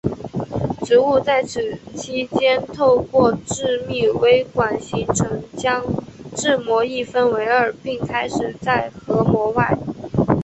植物在此期间透过致密微管形成将质膜一分为二并开始在核膜外。